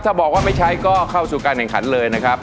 ถ้าบอกว่าไม่ใช้ก็เข้าสู่การแข่งขันเลยนะครับ